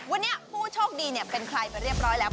วันนี้ผู้โชคดีเป็นใครไปเรียบร้อยแล้ว